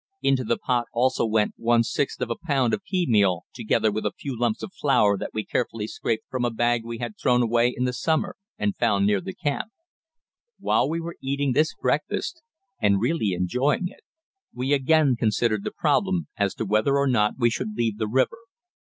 Into the pot also went one sixth of a pound of pea meal together with a few lumps of flour that we carefully scraped from a bag we had thrown away in the summer and found near the camp. While we were eating this breakfast (and really enjoying it) we again considered the problem as to whether or not we should leave the river.